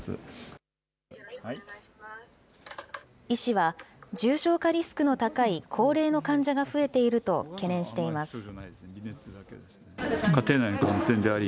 医師は、重症化リスクの高い高齢の患者が増えていると懸念しています。